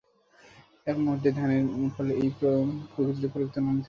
এক মুহূর্তের ধ্যানের ফলে এই প্রকৃতিতেই পরিবর্তন আনিতে পারিবে।